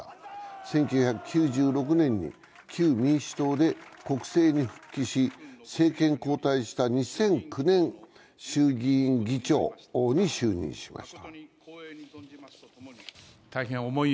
１９９６年に旧民主党で国政に復帰し、政権交代した２００９年、衆議院議長に就任しました。